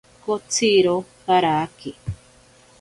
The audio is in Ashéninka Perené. Kotsiro karake.